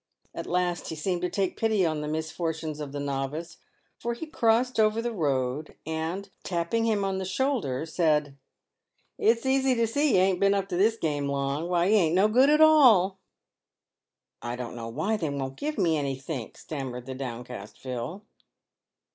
At last he seemed to take pity on PAYED WITH GOLD. 89 the misfortunes of the novice, for he crossed over the road, and, tap ping him on the shoulder, said, " It's easy to see you ain't been, up to this game long. Why, you ain't no good at all !"" I don't know why they won't give me anythink," stammered the downcast Phil.